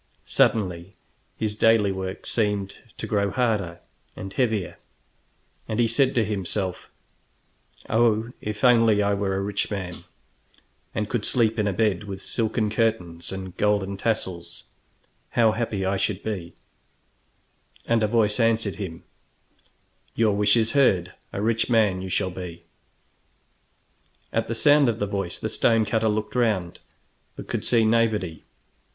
Suddenly his daily work seemed to grow harder and heavier, and he said to himself: "Oh, if only I were a rich man, and could sleep in a bed with silken curtains and golden tassels, how happy I should be!" [Illustration: At the sound of the voice, the Stone Cutter looked around.] And a voice answered him: "Your wish is heard; a rich man you shall be!" At the sound of the voice the stone cutter looked round, but could see nobody.